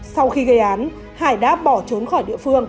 sau khi gây án hải đã bỏ trốn khỏi địa phương